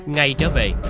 ngay trở về